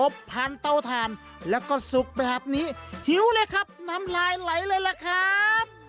ผ่านเตาถ่านแล้วก็สุกแบบนี้หิวเลยครับน้ำลายไหลเลยล่ะครับ